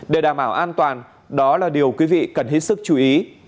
để đảm bảo an toàn đó là điều quý vị cần hết sức chú ý